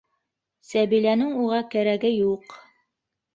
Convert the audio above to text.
Сәбиләнең уға кәрәге юҡ.